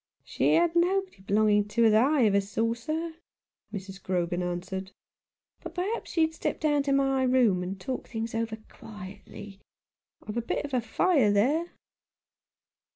"She had nobody belonging to her that ever I saw, sir," Mrs. Grogan answered ;" but, perhaps, you'd step down to my room and talk things over quietly. I've a bit of fire there."